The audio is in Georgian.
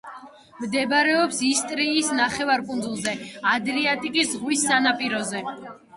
მდებარეობს ისტრიის ნახევარკუნძულზე, ადრიატიკის ზღვის სანაპიროზე.